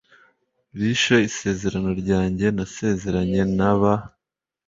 bishe isezerano ryanjye nasezeranye na ba